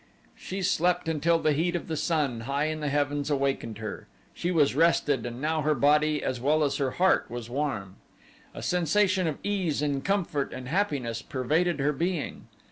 She slept until the heat of the sun, high in the heavens, awakened her. She was rested and now her body was well as her heart was warm. A sensation of ease and comfort and happiness pervaded her being.